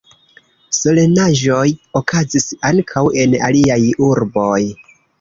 Solenaĵoj okazis ankaŭ en aliaj urboj.